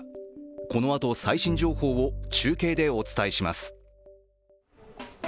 このあと、最新情報を中継でお伝えします。